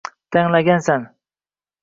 Танлагансан